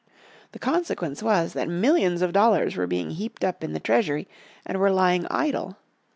The consequence was that millions of dollars were being heaped up in the Treasury, and were lying idle.